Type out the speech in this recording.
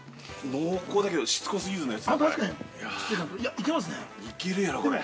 ◆濃厚だけどしつこすぎずのやつ、これ。